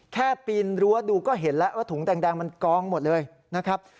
แค่ปีนรั้วดูก็เห็นแล้วว่าถุงแดงมันกองหมดเลยนะครับ